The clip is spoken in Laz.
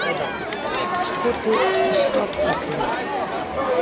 Şǩuti eşǩaft̆aten.